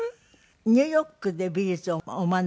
ニューヨークで美術をお学びになったって。